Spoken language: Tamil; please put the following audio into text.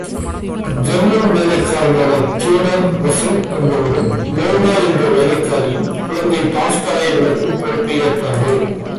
ஜெர்மன் வேலைக்காரனான தியோடார் ரஸ்ஸெல் என்பவரும், நோவ்னா என்ற வேலைக்காரியும் குழந்தை டால்ஸ்டாயை வளர்க்கும் பொறுப்பை ஏற்றார்கள்.